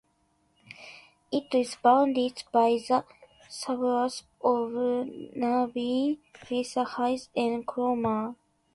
It is bounded by the suburbs of Narrabeen, Wheeler Heights and Cromer.